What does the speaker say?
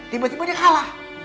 tiba tiba dia kalah